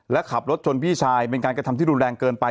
และขับรถชนพี่ชายเป็นการกระทำที่รุนแรงเกินไป